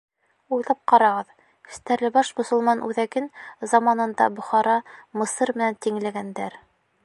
Уйлап ҡарағыҙ: Стәрлебаш мосолман үҙәген заманында Бохара, Мысыр менән тиңләгәндәр.